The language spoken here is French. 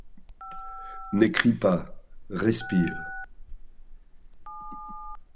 N’écris pas : respire.